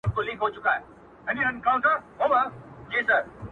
• د مُلا په عدالت کي د حق چیغه یم په دار یم -